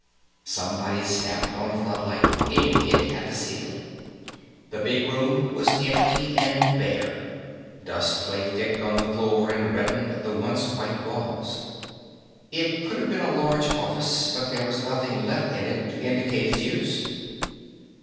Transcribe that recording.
Somebody snapped on a floodlight, aiming it at the ceiling. The big room was empty and bare; dust lay thick on the floor and reddened the once white walls. It could have been a large office, but there was nothing left in it to indicate its use.